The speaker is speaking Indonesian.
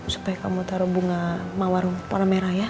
supaya kamu taruh bunga mawar warna merah ya